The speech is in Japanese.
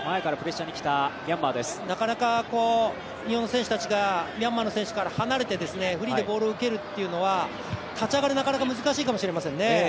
なかなか、日本選手たちがミャンマーの選手から離れてフリーでボールを受けるのは動けるっていうのは立ち上がり、なかなか難しいかもしれないですね